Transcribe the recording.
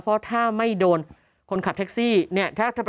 เพราะถ้าไม่โดนคนขับแท็กซี่เนี่ย